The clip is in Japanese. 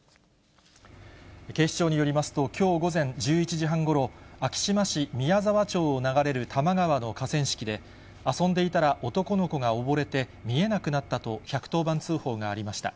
警視庁によりますと、きょう午前１１時半ごろ、昭島市宮沢町を流れる多摩川の河川敷で、遊んでいたら男の子が溺れて見えなくなったと１１０番通報がありました。